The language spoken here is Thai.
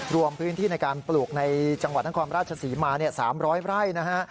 รวมพื้นที่ในการปลูกในจังหวัดนครราชศรีมา๓๐๐ไร่นะฮะ